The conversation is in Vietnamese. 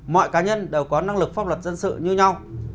mọi cá nhân đều có năng lực pháp luật dân sự như nhau